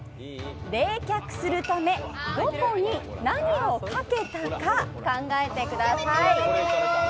冷却するためどこに何をかけたか考えてください。